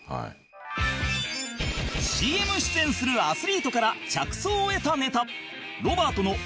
ＣＭ 出演するアスリートから着想を得たネタ